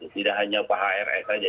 tidak hanya pak hrs saja